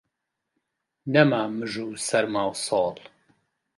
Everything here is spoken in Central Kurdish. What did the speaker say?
نەما مژ و سەرما و سۆڵ